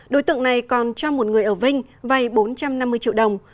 đối tượng này còn cho một người ở vinh vay bốn trăm năm mươi triệu đồng